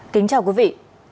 kính chào quý vị